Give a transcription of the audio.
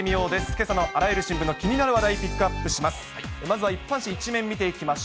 けさのあらゆる新聞の気になる話題、ピックアップします。